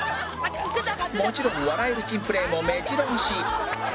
もちろん笑える珍プレーもめじろ押し